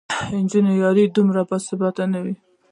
د نجلۍ یاري دومره باثباته نه وي